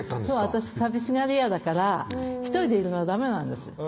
私寂しがり屋だから独りでいるのはダメなんです